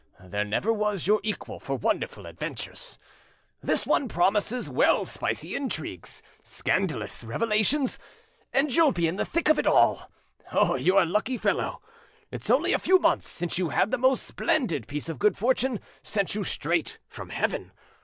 There never was your equal for wonderful adventures. This one promises well spicy intrigues, scandalous revelations, and you'll be in the thick of it all. You're a lucky fellow! It's only a few months since you had the most splendid piece of good fortune sent you straight from heaven.